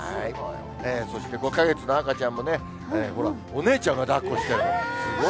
そして５か月の赤ちゃんもね、ほら、お姉ちゃんがだっこしてる。